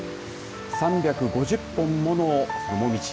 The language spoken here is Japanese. ３５０本もの、紅葉。